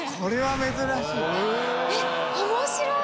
えっ面白い！